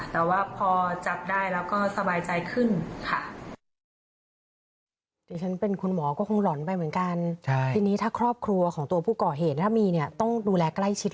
แต่ว่าพอจับได้แล้วก็สบายใจขึ้นค่ะ